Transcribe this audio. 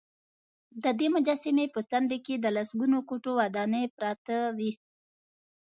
ددې مجسمې په څنډې کې د لسګونو کوټو ودانې پراته وې.